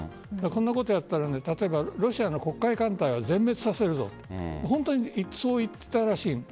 こんな事をやったら例えばロシアの黒海艦隊を全滅させるぞと本当にそう言っていたらしい。